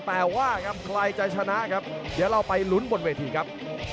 แต่ว่าครับใครจะชนะครับเดี๋ยวเราไปลุ้นบนเวทีครับ